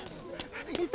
いた！